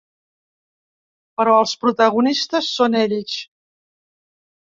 Però els protagonistes són ells.